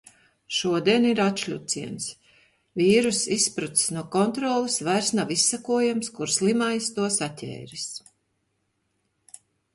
Šodiena ir atšļuciens. Vīruss izsprucis no kontroles, vairs nav izsekojams, kur slimais to saķēris.